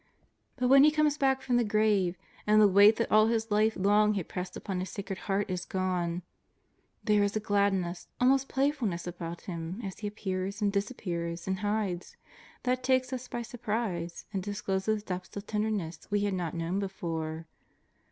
But when He comes back from 384 JESUS OF NAZAEETH. the grsLYv,. and the weight that all His life long had pressed upon His Sacred Heart is gone, there is a gladness, almost playfulness, about Him as He appears and disappears and hides, that takes us by surprise, and discloses depths of tenderness we had not known before.